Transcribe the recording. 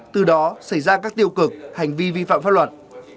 từ đó xảy ra các tiêu cực hành vi vi phạm pháp luật